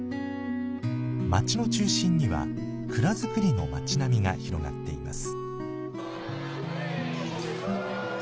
街の中心には、蔵造りの町並みが広がっています。